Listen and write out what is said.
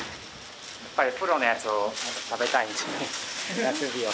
やっぱりプロのやつを食べたいんでなすびを。